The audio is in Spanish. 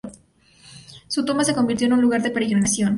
Su tumba se convirtió en un lugar de peregrinación.